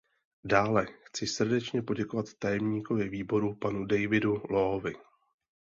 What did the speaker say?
Dále, chci srdečně poděkovat tajemníkovi Výboru panu Davidu Loweovi.